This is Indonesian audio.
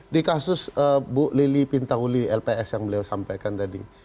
di kasus bu lili pintauli lps yang beliau sampaikan tadi